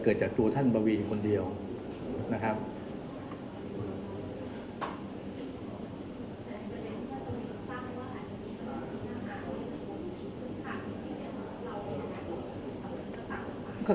เกิดจากตัวท่านบวีนคนเดียวนะครับ